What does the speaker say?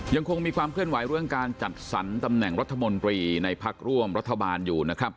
ยังคงมีความเคลื่อนไหวเรื่องการจัดสรรตำแหน่งรัฐมนตรีในพักร่วมรัฐบาลอยู่นะครับ